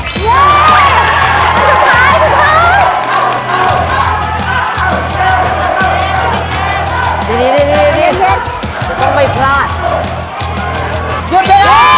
ขอให้ไม่พลาด